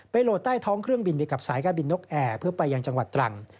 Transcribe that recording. โหลดใต้ท้องเครื่องบินไปกับสายการบินนกแอร์เพื่อไปยังจังหวัดตรัง